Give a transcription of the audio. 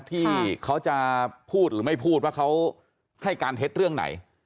ที่เขาจะพูดหรือไม่พูดว่าเขาให้การเท็จเรื่องไหน